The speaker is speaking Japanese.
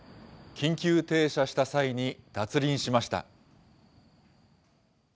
緊急停車した際に、脱輪しました。